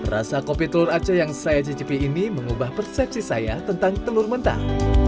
rasa kopi telur aceh yang saya cicipi ini mengubah persepsi saya tentang telur mentah